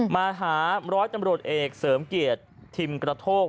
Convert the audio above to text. มาหาร้อยตำรวจเอกเสริมเกียรติทิมกระโทก